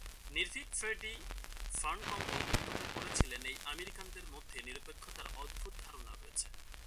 নির্ভীক Freddie Farncombe মন্তব্য করেছিলেন: "এই আমেরিকানদের মধ্যে 'নিরপেক্ষতার' অদ্ভুত ধারণা রয়েছে!